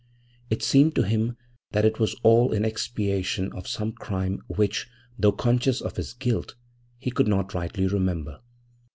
It seemed to him that it was all in expiation of some crime which, though conscious of his guilt, he could not rightly remember.